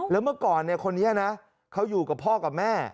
แล้วเมื่อก่อนคนนี้นะเขาอยู่กับพ่อกับแม่